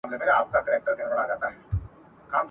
د بابر زړه په غمګین و !.